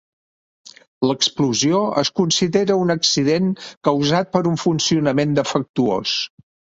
L'explosió es considera un accident causat per un funcionament defectuós.